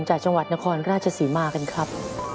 จากจังหวัดนครราชศรีมากันครับ